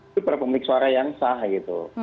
itu perpublik suara yang sah gitu